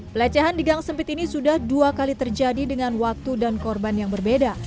pelecehan di gang sempit ini sudah dua kali terjadi dengan waktu dan korban yang berbeda